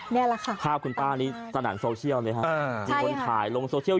สิทธิภาพวิทยาลัยโหดดรพัวสมวนต่อเนวท์